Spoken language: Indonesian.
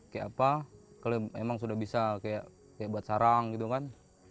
kalo memang sudah bisa buat sarang gitu kan